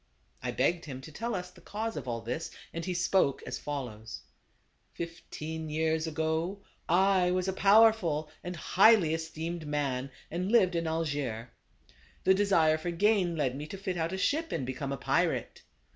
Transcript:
I begged him to tell us the cause of all this, and he spoke as follows : "Fifteen years ago I was a powerful and THE CARAVAN. 123 highly esteemed man, and lived in Algiers. The desire for gain led me to fit out a ship and become a pirate.